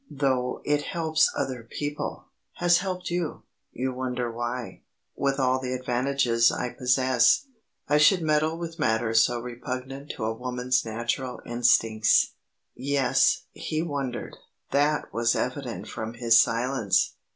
Though it helps other people has helped you you wonder why, with all the advantages I possess, I should meddle with matters so repugnant to a woman's natural instincts." Yes, he wondered. That was evident from his silence.